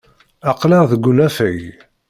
Aql-aɣ deg unafag.